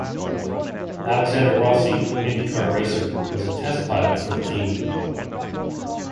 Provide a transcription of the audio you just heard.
Alexander Rossi, IndyCar racer, was a test pilot for the team.